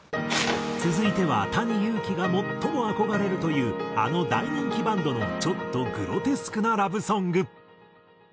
続いてはＴａｎｉＹｕｕｋｉが最も憧れるというあの大人気バンドのちょっとグロテスクなラブソング。